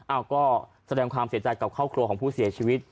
อ้าวก็แสดงความเสียงใจกับข้าวเคราะห์ของผู้เสียชีวิต